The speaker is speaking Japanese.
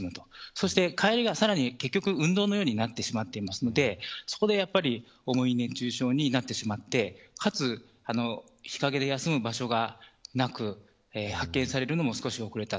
そして、帰りがさらに結局運動のようになってしまっているのでそこで重い熱中症になってしまってかつ、日陰で休む場所がなく発見されるのも少し遅れた。